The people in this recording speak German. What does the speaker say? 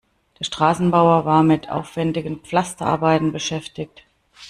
Der Straßenbauer war mit aufwendigen Pflasterarbeiten beschäftigt.